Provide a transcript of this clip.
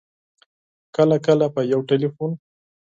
کله کله په یو ټېلفون